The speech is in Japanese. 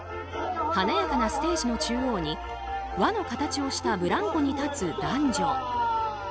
華やかなステージの中央に輪の形をしたブランコに立つ男女。